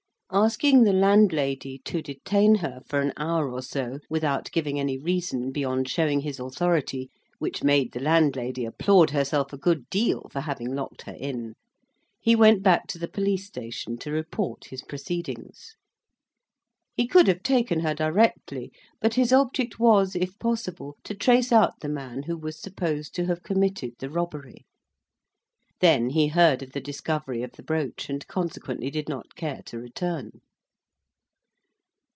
Asking the landlady to detain her for an hour or so, without giving any reason beyond showing his authority (which made the landlady applaud herself a good deal for having locked her in), he went back to the police station to report his proceedings. He could have taken her directly; but his object was, if possible, to trace out the man who was supposed to have committed the robbery. Then he heard of the discovery of the brooch; and consequently did not care to return.